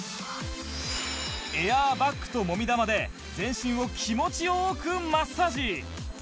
エアーバッグともみ玉で全身を気持ち良くマッサージ